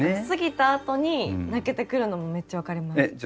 過ぎたあとに泣けてくるのもめっちゃ分かります。